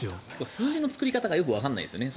数字の作り方がよくわからないですよね。